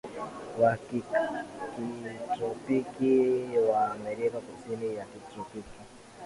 wa kitropiki wa Amerika Kusini ya kitropiki